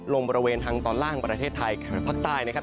บริเวณทางตอนล่างประเทศไทยภาคใต้นะครับ